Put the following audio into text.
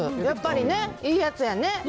やっぱりね、いいやつやね。